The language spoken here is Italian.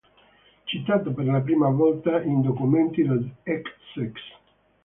Citata per la prima volta in documenti del X sec.